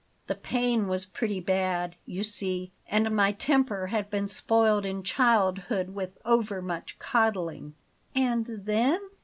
The pain was pretty bad, you see, and my temper had been spoiled in childhood with overmuch coddling." "And then?"